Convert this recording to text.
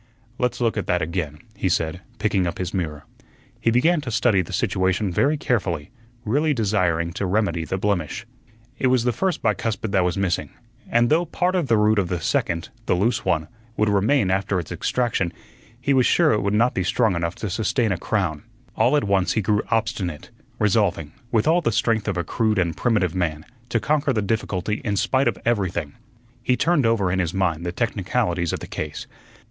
"Let's look at that again," he said, picking up his mirror. He began to study the situation very carefully, really desiring to remedy the blemish. It was the first bicuspid that was missing, and though part of the root of the second (the loose one) would remain after its extraction, he was sure it would not be strong enough to sustain a crown. All at once he grew obstinate, resolving, with all the strength of a crude and primitive man, to conquer the difficulty in spite of everything. He turned over in his mind the technicalities of the case.